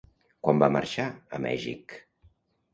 Quan va marxar a Mèxic?